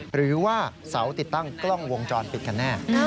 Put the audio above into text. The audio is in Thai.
หรือว่าเสาติดตั้งกล้องวงจรปิดกันแน่